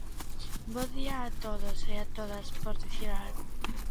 Bo día a todos e a todas, por dicir algo.